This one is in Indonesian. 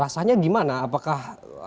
rasanya gimana apakah